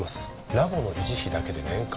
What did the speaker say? ラボの維持費だけで年間